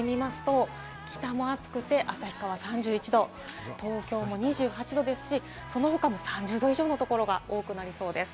数字を見ますと、北も暑くて旭川３１度、東京２８度ですし、その他も３０度以上のところが多くなりそうです。